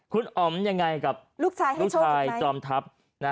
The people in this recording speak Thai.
คุณอ๋อมยังไงกับลูกชายจอมทัพ